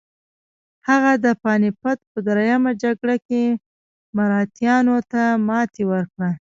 هغه د پاني پت په دریمه جګړه کې مراتیانو ته ماتې ورکړه.